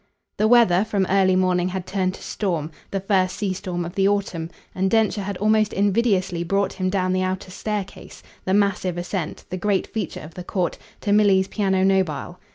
The weather, from early morning, had turned to storm, the first sea storm of the autumn, and Densher had almost invidiously brought him down the outer staircase the massive ascent, the great feature of the court, to Milly's piano nobile.